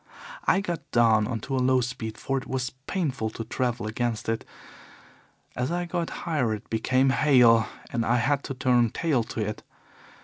I got down on to a low speed, for it was painful to travel against it. As I got higher it became hail, and I had to turn tail to it.